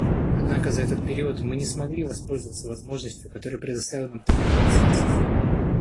Однако за этот период мы не смогли воспользоваться возможностью, которую предоставил нам такой консенсус.